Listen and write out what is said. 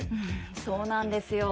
そうなんですよ。